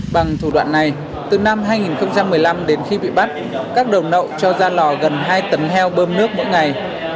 bằng thủ đoạn này từ năm hai nghìn một mươi năm đến khi bị bắt các đầu nậu cho ra lò gần hai tấn heo bơm nước mỗi ngày